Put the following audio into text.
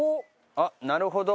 あっなるほど。